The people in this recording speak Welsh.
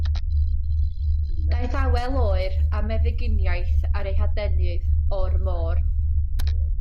Daeth awel oer, a meddyginiaeth ar ei hadenydd, o'r môr.